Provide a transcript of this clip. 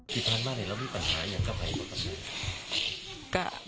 กี่พันบาทเลยแล้วมีปัญหาอย่างเก่าไหร่